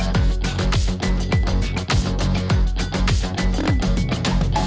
ลูกค้าจะไม่ค่อยอยู่บ้านเราก็ต้องโทรตามลูกค้า